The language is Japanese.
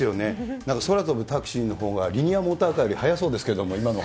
なんか空飛ぶタクシーのほうがリニアモーターカーより早そうです